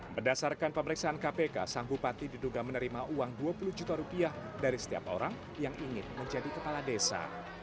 berdasarkan pemeriksaan kpk sang bupati diduga menerima uang dua puluh juta rupiah dari setiap orang yang ingin menjadi kepala desa